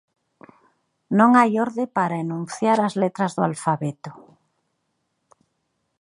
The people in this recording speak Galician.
Non hai orde para enunciar as letras do alfabeto.